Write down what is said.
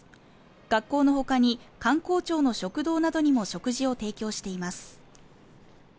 学校のほかに官公庁の食堂などにも食事を提供しています